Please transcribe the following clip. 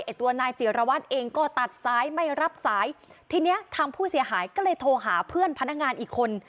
ตัวนายจิรวัตรเองก็ตัดซ้ายไม่รับสายทีเนี้ยทางผู้เสียหายก็เลยโทรหาเพื่อนพนักงานอีกคน